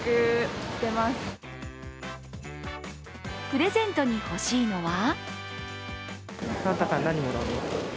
プレゼントに欲しいのは？